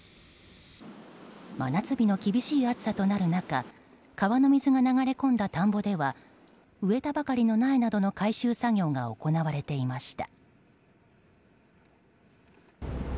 真夏日の厳しい暑さとなる中川の水が流れ込んだ田んぼでは植えたばかりの苗などの回収作業が行われていました。